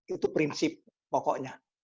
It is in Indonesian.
itu prinsip pokoknya